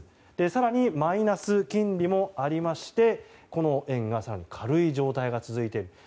更に、マイナス金利もありましてこの円が更に軽い状態が続いていると。